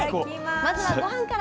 まずはごはんから。